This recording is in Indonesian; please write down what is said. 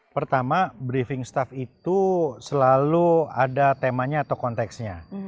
pertama briefing staff itu selalu ada temanya atau konteksnya